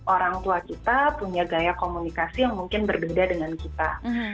orang tua kita punya gaya komunikasi yang mungkin berbeda dengan kita